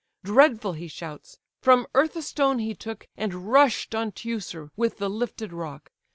Dreadful he shouts: from earth a stone he took, And rush'd on Teucer with the lifted rock.